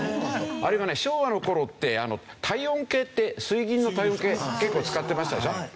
あれはね昭和の頃って体温計って水銀の体温計結構使ってましたでしょ？